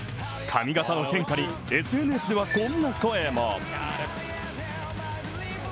髪型の変化にＳＮＳではこんな声も。